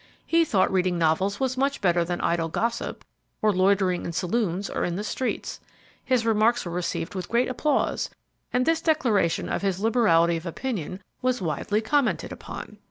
He thought reading novels was much better than idle gossip, or loitering in saloons or in the streets. His remarks were received with great applause, and this declaration of his liberality of opinion was widely commented upon.